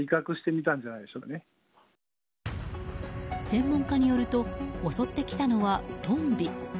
専門家によると襲ってきたのは、トンビ。